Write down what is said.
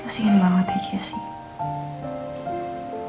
kasian banget ya jessy